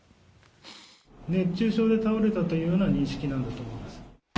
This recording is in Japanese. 熱中症で倒れたというような認識なんだと思います。